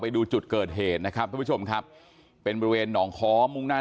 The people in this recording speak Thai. ดูจุดเกิดเหตุนะครับทุกผู้ชมครับเป็นบริเวณหนองค้อมุ่งหน้า